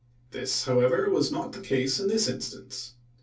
This however, was not the case in this instance.